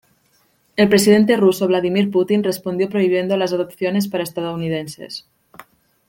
El presidente ruso Vladímir Putin respondió prohibiendo las adopciones para estadounidenses.